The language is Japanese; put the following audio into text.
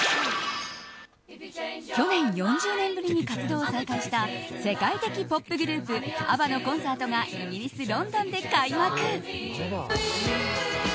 去年４０年ぶりに活動を再開した世界的ポップグループＡＢＢＡのコンサートがイギリス・ロンドンで開幕。